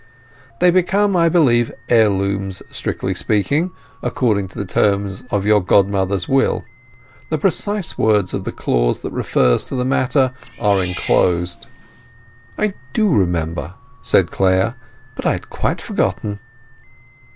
They become, I believe, heirlooms, strictly speaking, according to the terms of your godmother's will. The precise words of the clause that refers to this matter are enclosed. "I do remember," said Clare; "but I had quite forgotten."